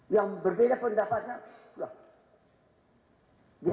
yang berbeda pendapatnya